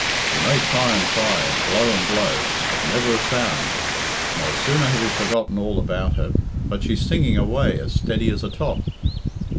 You may try and try, and blow and blow, but never a sound. And no sooner have you forgotten all about her, but she's singing away as steady as a top."